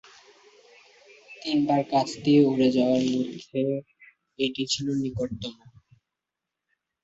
তিনবার কাছ দিয়ে উড়ে যাওয়ার মধ্যে এটিই ছিল নিকটতম।